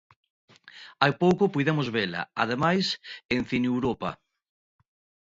Hai pouco puidemos vela, ademais, en Cineuropa.